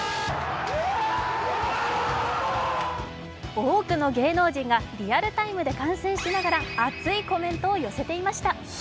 多くの芸能人がリアルタイムで観戦しながら熱いコメントを寄せていました。